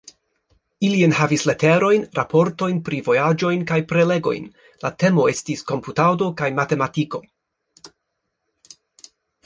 Ili enhavis leterojn, raportojn pri vojaĝojn, kaj prelegojn; la temo estis komputado kaj matematiko.